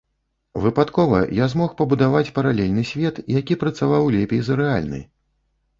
Выпадкова я змог пабудаваць паралельны свет, які працаваў лепей за рэальны.